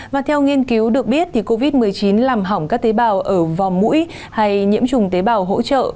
và theo nghiên cứu được biết covid một mươi chín làm hỏng các tế bào ở vòm mũi hay nhiễm trùng tế bào hỗ trợ